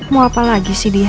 mau apa lagi sih dia